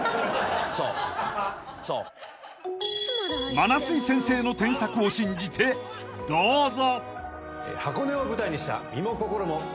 ［真夏井先生の添削を信じてどうぞ］